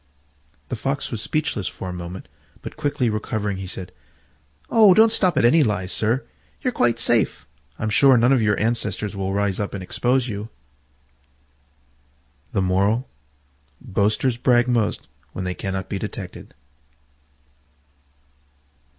The Fox was speechless for a moment, but quickly recovering he said, "Oh! don't stop at any lie, sir; you're quite safe: I'm sure none of your ancestors will rise up and expose you." Boasters brag most when they cannot be detected.